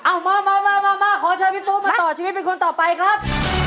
เอามามาขอเชิญพี่ตู้มาต่อชีวิตเป็นคนต่อไปครับ